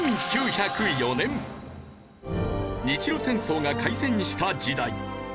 日露戦争が開戦した時代。